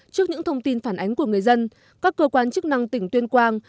trước những thông tin phản ánh của người dân các cơ quan chức năng tỉnh tuyên quang